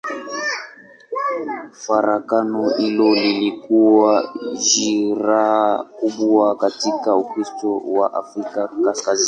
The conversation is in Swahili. Farakano hilo lilikuwa jeraha kubwa katika Ukristo wa Afrika Kaskazini.